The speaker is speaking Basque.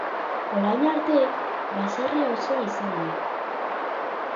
Orain arte, baserri auzoa izan da.